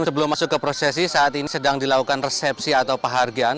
sebelum masuk ke prosesi saat ini sedang dilakukan resepsi atau penghargaan